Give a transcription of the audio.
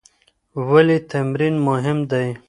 ولې تمرین مهم دی؟